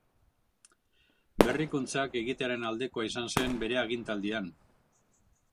Berrikuntzak egitearen aldekoa izan zen bere agintaldian.